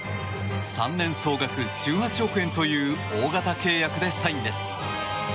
３年総額１８億円という大型契約でサインです。